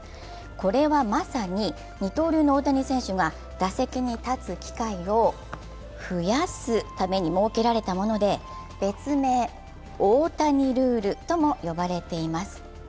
これはまさに二刀流の大谷選手が打席に立つ機会を増やすために設けられたもので別名・大谷ルールとも呼ばれています。